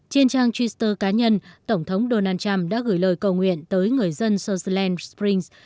trên trang twitter cá nhân tổng thống donald trump đã gửi lời cầu nguyện tới người dân soceland springs